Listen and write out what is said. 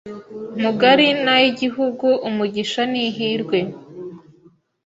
mugari n’ay’igihugu Umugisha n’ihirwe